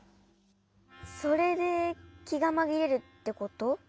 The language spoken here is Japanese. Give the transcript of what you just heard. それできがまぎれるってこと？